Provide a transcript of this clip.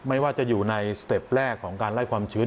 ไม่ว่าจะอยู่ในสเต็ปแรกของการไล่ความชื้น